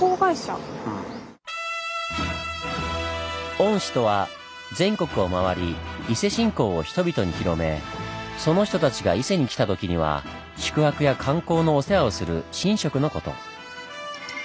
御師とは全国を回り伊勢信仰を人々に広めその人たちが伊勢に来た時には宿泊や観光のお世話をする神職のこと。